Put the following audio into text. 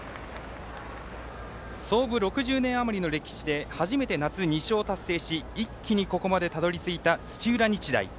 創部６０年余りの歴史で初めて夏２勝を達成し一気に、ここまでたどりついた土浦日大。